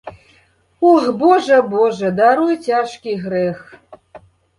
Ох, божа, божа, даруй цяжкі грэх.